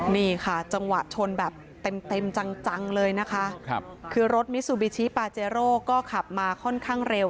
นี่ค่ะจังหวะชนแบบเต็มเต็มจังเลยนะคะคือรถมิซูบิชิปาเจโร่ก็ขับมาค่อนข้างเร็ว